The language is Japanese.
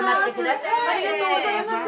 ありがとうございます